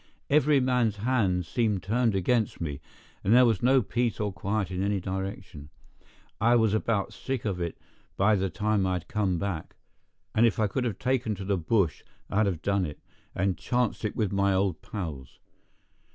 Every man's hand seemed turned against me, and there was no peace or quiet in any direction. I was about sick of it by the time I had come back; and if I could have taken to the bush I'd have done it, and chanced it with my old pals.